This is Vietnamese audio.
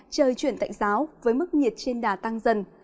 trời chuyển tạnh giáo với mức nhiệt trên đà tăng dần